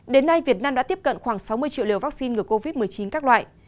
đến nay việt nam đã tiếp cận khoảng sáu mươi triệu liều vaccine ngừa covid một mươi chín các loại